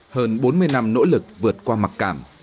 hơn bốn mươi năm nỗ lực vượt qua mặc cảm